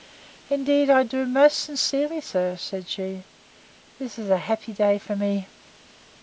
Indeed I do, most sincerely, sir, said she: This is a happy day to me!